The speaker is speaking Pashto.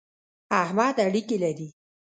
احمد اړېکی لري.